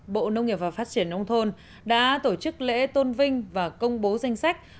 bộ nông nghiệp và phát triển nông thôn đã tổ chức lễ tôn vinh và công bố danh sách